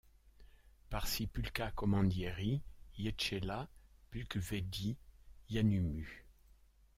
Par šī pulka komandieri iecēla pulkvedi Janumu.